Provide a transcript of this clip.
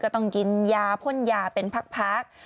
ต้องกินยาพ่นยาเป็นพัก